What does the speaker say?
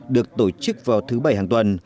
được tổ chức vào thứ bảy hàng tuần